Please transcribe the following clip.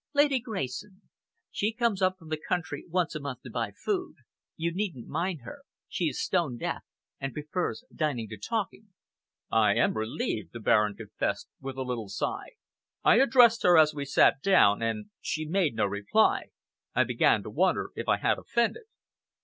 "Lady Grayson. She comes up from the country once a month to buy food. You needn't mind her. She is stone deaf and prefers dining to talking." "I am relieved," the Baron confessed, with a little sigh. "I addressed her as we sat down, and she made no reply. I began to wonder if I had offended."